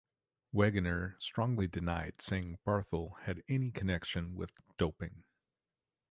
Wegener strongly denied saying Barthel had any connection with doping.